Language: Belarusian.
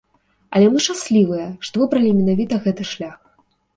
Але мы шчаслівыя, што выбралі менавіта гэты шлях.